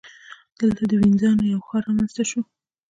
دلته د وینزیانو یو ښار رامنځته شو